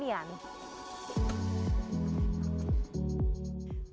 dan penjualan pertanian